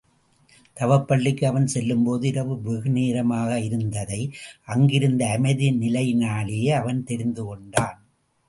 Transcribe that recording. தவப் பள்ளிக்கு அவன் செல்லும்போது இரவு வெகுநேரமா யிருந்ததை அங்கிருந்து அமைதி நிலையினாலேயே அவன் அறிந்து கொண்டான்.